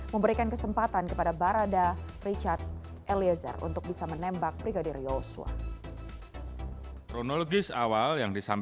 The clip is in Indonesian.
memberikan kesempatan kepada barada richard eliezer untuk bisa menembak brigadir yosua